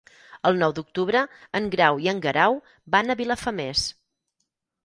El nou d'octubre en Grau i en Guerau van a Vilafamés.